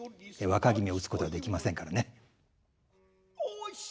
若君を討つことはできませんからね。